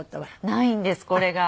ないんですこれが。